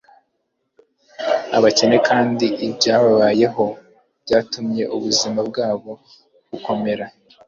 abakene, kandi ibyababayeho byatumye ubuzima bwabo bukomera